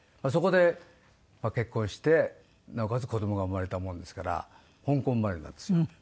そこで結婚してなおかつ子供が生まれたもんですから香港生まれなんですよ。